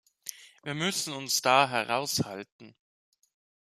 Wir müssen uns da heraushalten.